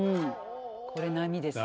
これ波ですね。